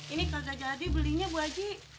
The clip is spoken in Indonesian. ini kalau gak jadi belinya bu haji